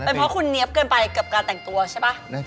เพราะคุณเนี๊ยบเกินไปกับการแต่งตัวใช่ป่ะ